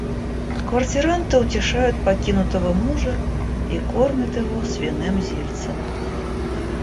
Квартиранты утешают покинутого мужа и кормят его свиным зельцем.